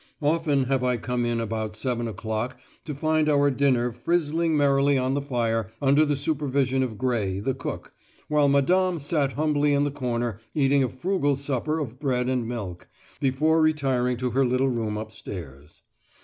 Often have I come in about seven o'clock to find our dinner frizzling merrily on the fire under the supervision of Gray, the cook, while Madame sat humbly in the corner eating a frugal supper of bread and milk, before retiring to her little room upstairs.